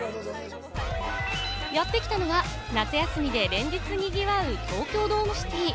やってきたのは、夏休みで連日賑わう東京ドームシティ。